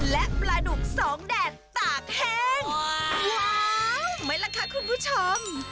และปลาดุกสองแดดตากแห้งว้าวไหมล่ะค่ะคุณผู้ชม